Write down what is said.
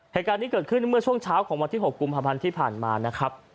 เหตุการณ์นี้เกิดขึ้นเมื่อช่วงเช้าของวันที่๖กุมภาพันธ์ที่ผ่านมานะครับ